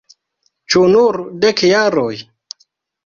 Ĉu nur dek jaroj?